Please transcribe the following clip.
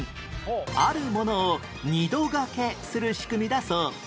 あるものを２度がけする仕組みだそう